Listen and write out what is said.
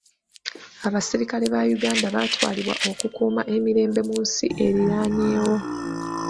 Abasirikale ba Uganda baatwalibwa okukuuma emirembe mu nsi eriraanyeewo.